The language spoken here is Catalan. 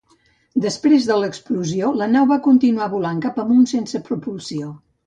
Després de l'explosió la nau va continuar volant cap amunt sense propulsió.